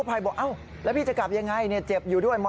มีมัจจุราชมันด้วยเหรอ